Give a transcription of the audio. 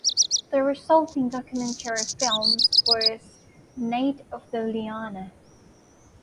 The resulting documentary film was "Night of the Liana".